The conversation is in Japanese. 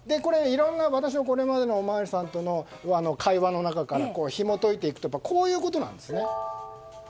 いろいろな私のこれまでのお巡りさんとの会話の中からひも解いていくとこういうことなんですね。